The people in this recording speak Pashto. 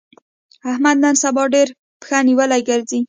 احمد نن سبا ډېر پښه نيولی ګرځي.